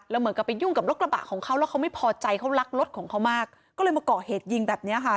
แล้วเหมือนกับไปยุ่งกับรถกระบะของเขาแล้วเขาไม่พอใจเขารักรถของเขามากก็เลยมาเกาะเหตุยิงแบบเนี้ยค่ะ